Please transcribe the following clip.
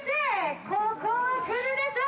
ここはくるでしょう！